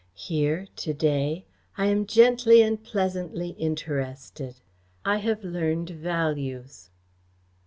Here, to day, I am gently and pleasantly interested. I have learned values."